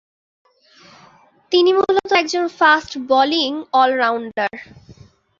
তিনি মূলত একজন ফাস্ট বোলিং অল-রাউন্ডার।